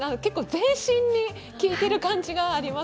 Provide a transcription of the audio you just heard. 全身に効いている感じがあります。